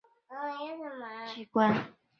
航空公园所在的并木地区聚集许多公共机关。